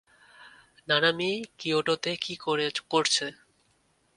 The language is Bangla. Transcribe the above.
নানামি কিয়োটোতে কী করছে?